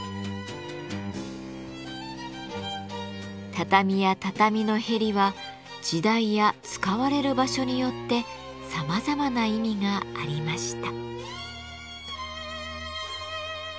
畳や畳のへりは時代や使われる場所によってさまざまな意味がありました。